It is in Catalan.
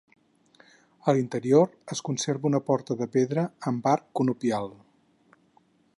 A l'interior es conserva una porta de pedra amb arc conopial.